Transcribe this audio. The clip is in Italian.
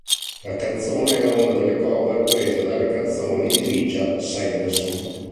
La canzone era una cover presa dalle canzoni di Richard Sanderson.